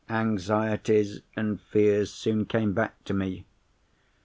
Anxieties and fears soon came back to me.